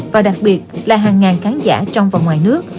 và đặc biệt là hàng ngàn khán giả trong và ngoài nước